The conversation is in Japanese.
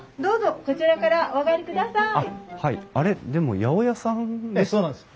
こちらからお上がりください。